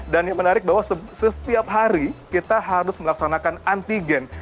dan yang menarik bahwa setiap hari kita harus melaksanakan antarabangsa